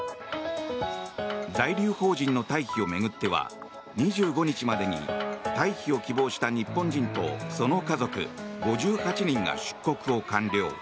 在留邦人の退避を巡っては２５日までに退避を希望した日本人とその家族５８人が出国を完了。